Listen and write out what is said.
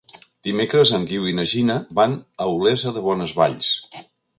Dimecres en Guiu i na Gina van a Olesa de Bonesvalls.